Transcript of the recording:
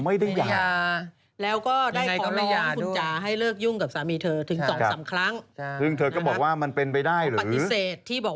อันนี้สิ่งที่เราเคลียร์บอก